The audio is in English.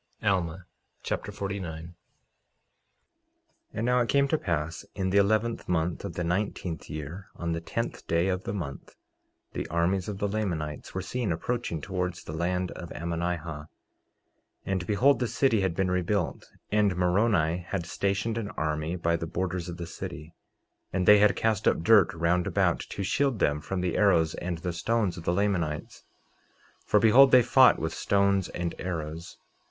Alma Chapter 49 49:1 And now it came to pass in the eleventh month of the nineteenth year, on the tenth day of the month, the armies of the Lamanites were seen approaching towards the land of Ammonihah. 49:2 And behold, the city had been rebuilt, and Moroni had stationed an army by the borders of the city, and they had cast up dirt around about to shield them from the arrows and the stones of the Lamanites; for behold, they fought with stones and with arrows.